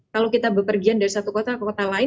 kalau kita berpergian dari satu kota ke kota lain